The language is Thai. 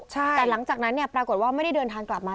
แต่หลังจากนั้นเนี่ยปรากฏว่าไม่ได้เดินทางกลับมา